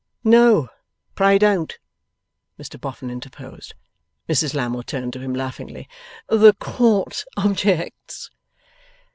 'No. Pray don't,' Mr Boffin interposed. Mrs Lammle turned to him laughingly. 'The Court objects?